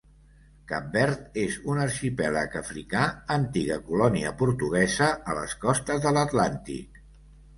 Cap Verd és un arxipèlag africà, antiga colònia portuguesa a les costes de l'Atlàntic.